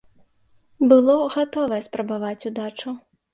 Было гатовае спрабаваць удачу.